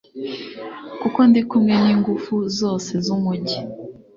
kuko ndi kumwe n'ingufu zose z'umugi